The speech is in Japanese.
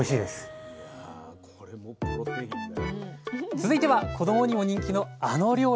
続いては子どもにも人気のあの料理。